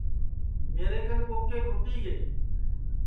میرے کن کوکے کُھٹی گئے